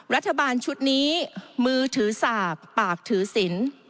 รัฐบาลชุดนี้มือถือสากปากถือศิลป์